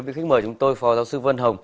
việc khích mời chúng tôi phó giáo sư vân hồng